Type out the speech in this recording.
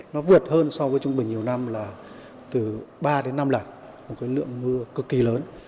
nó vượt hơn so với trung bình nhiều năm là từ ba đến năm lần một cái lượng mưa cực kỳ lớn